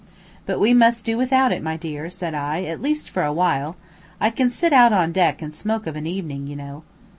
"But we must do without it, my dear," said I, "at least for a while. I can sit out on deck and smoke of an evening, you know."